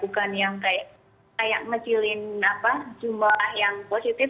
dan yang kayak menciliin jumlah yang positif